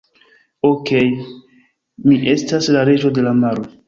Okej. Mi estas la reĝo de la maro.